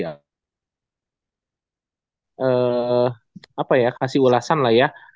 apa ya kasih ulasan lah ya